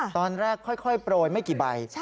ตอนแรกค่อยโปรยไม่กี่ใบ